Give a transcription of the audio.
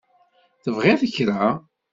Tebɣiḍ kra?